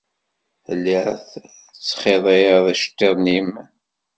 Telliḍ tettxiḍiḍ iceḍḍiḍen-nnem.